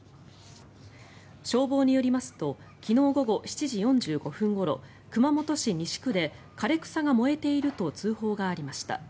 消防によりますと昨日午後７時４５分ごろ熊本市西区で枯れ草が燃えていると通報がありました。